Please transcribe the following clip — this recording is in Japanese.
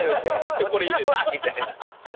でこれ入れたみたいな。